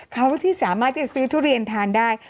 เขาที่สามารถจะซื้อทุเรียนทานได้